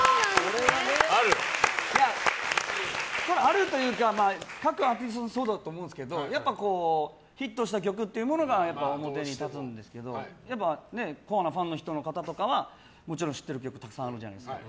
あるというか各アーティストはそうだと思うんですけどヒットした曲というものがやっぱ表に立つんですけどコアなファンの人たちはもちろん知ってる曲たくさんあるじゃないですか。